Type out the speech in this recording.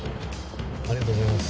ありがとうございます。